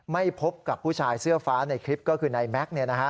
ไม่พบกับผู้ชายเสื้อฟ้าในคลิปก็คือนายแม็กซ์